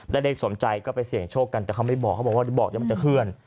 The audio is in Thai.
ถ้าได้สนใจก็ไปเสียงโชคกันแต่เขาไม่บอกเขาบอกว่ามันจะเคลื่อน